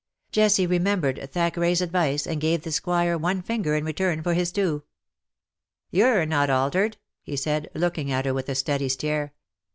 Jessie remembered Thackeray^s advice, and gave the squire one finger in return for his two. " You're not altered/' he said, looking at her with a steady stare.